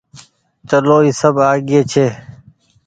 چلو اي سب آگيئي ڇي۔